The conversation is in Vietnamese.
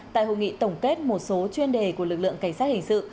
tại hội nghị tổng kết một số chuyên đề của lực lượng cảnh sát hình sự